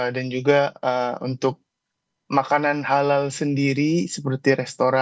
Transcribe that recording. dan juga untuk makanan halal sendiri seperti restoran